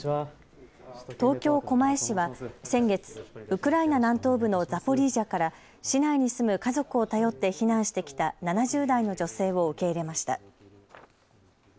東京狛江市は先月、ウクライナ南東部のザポリージャから市内に住む家族を頼って避難してきた７０代の女性を受け入れました。